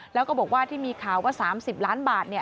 แล้วก็บอกว่าที่มีข่าวว่า๓๐ล้านบาท